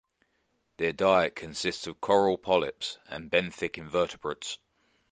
Their diet consists of coral polyps and benthic invertebrates.